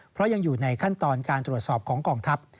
เพราะยังอยู่ในขั้นตอนการตรวจสอบของกองทัพ